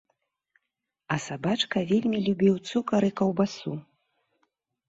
А сабачка вельмі любіў цукар і каўбасу.